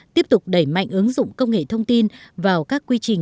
tiếp tục đẩy mạnh ứng dụng công nghệ thông tin vào các quy trình